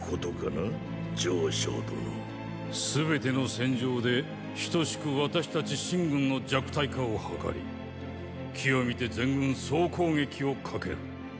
全ての戦場で等しく私たち秦軍の弱体化をはかり機を見て全軍総攻撃をかける。